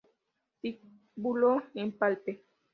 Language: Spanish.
Vestíbulo Empalme